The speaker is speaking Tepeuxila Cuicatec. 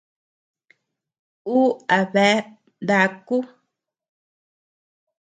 Uu a bea deaku.